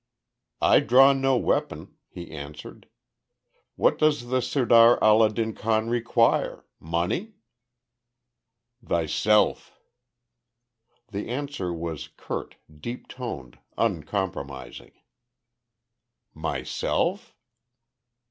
"I draw no weapon," he answered. "What does the Sirdar Allah din Khan require. Money?" "Thyself." The answer was curt, deep toned, uncompromising. "Myself?"